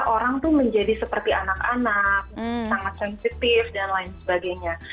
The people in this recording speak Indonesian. orang tuh menjadi seperti anak anak sangat sensitif dan lain sebagainya